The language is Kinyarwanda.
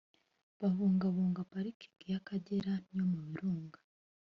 habungabungwa Pariki y’Akagera n’iyo mu Birunga